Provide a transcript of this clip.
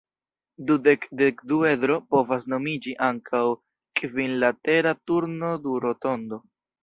Dudek-dekduedro povas nomiĝi ankaŭ kvinlatera turno-durotondo.